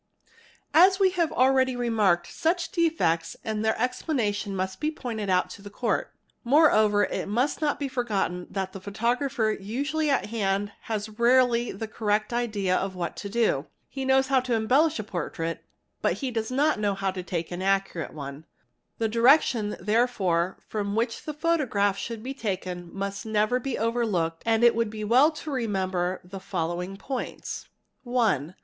As we have already remarked, such defects and their explanation must be pointed out to the Court. Moreover it must not be forgotten that the photographer usually at hand has rarely a correct idea of what to do; he knows how to embellish a portrait but he does not know how to take an accurate one ; the direction therefore from which the photograph should be taken must | never be overlooked and it would be well to remember the following points: | 1.